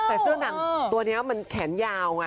แต่เสื้อหนังตัวนี้มันแขนยาวไง